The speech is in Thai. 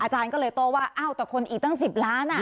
อาจารย์ก็เลยโต้ว่าอ้าวแต่คนอีกตั้ง๑๐ล้าน